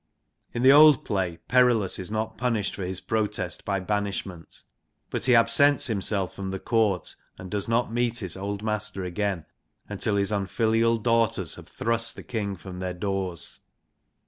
In the old play Perillus is not punished for his protest by banishment. But he absents himself from the court and does not meet his old master again until his unfilial daughters have thrust the Ring from their doors.